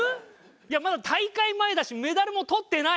いやまだ大会前だしメダルもとってない。